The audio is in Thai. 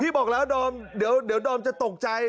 พี่บอกแล้วเดี๋ยวดอมจะตกใจ